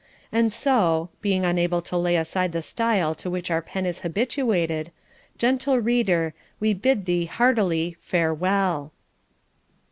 And so (being unable to lay aside the style to which our pen is habituated), gentle reader, we bid thee heartily farewell.